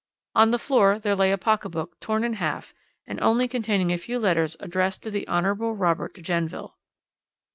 On the floor there lay a pocket book torn in half and only containing a few letters addressed to the Hon. Robert de Genneville.